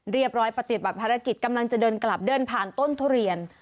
ปฏิบัติภารกิจกำลังจะเดินกลับเดินผ่านต้นทุเรียน